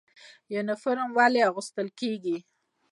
یونفورم ولې اغوستل کیږي؟